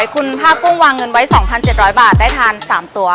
คุณภาพกุ้งวางเงินไว้๒๗๐๐บาทได้ทาน๓ตัว